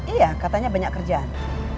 iya katanya banyak kerjaan